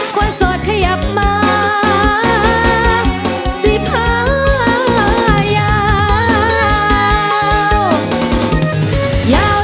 คนโสดขยับมาสิพายาว